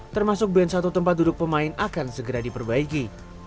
termasuk band satu tempat duduk pemain akan segera diperbaiki